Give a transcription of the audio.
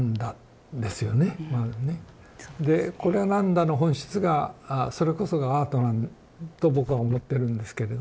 で「こりゃなんだ？」の本質がそれこそがアートと僕は思ってるんですけれど